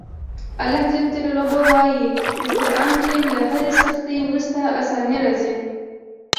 الله ج وایي په قران کې له هرې سختي وروسته اساني راځي.